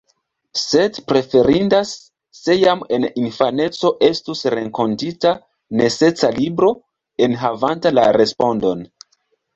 Sed preferindas, se jam en infaneco estus renkontita necesa libro, enhavanta la respondon.